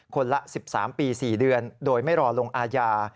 ละ๑๓ปี๔เดือนโดยไม่รอลงอาญา